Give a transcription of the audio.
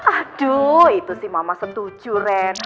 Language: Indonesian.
aduh itu sih mama setuju ren